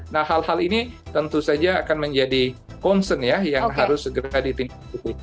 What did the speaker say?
nah hal hal ini tentu saja akan menjadi concern ya yang harus segera ditingkatkan